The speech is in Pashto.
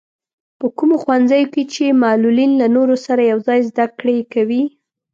په کومو ښوونځیو کې چې معلولين له نورو سره يوځای زده کړې کوي.